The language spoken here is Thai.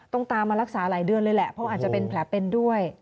ตามมารักษาหลายเดือนเลยแหละเพราะอาจจะเป็นแผลเป็นด้วย